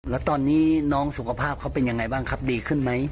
แล้วตอนนี้น้องสุขภาพเขาเป็นยังไงบ้างครับดีขึ้นไหม